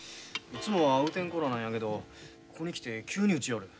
いつもは打てん子らなんやけどここに来て急に打ちよる。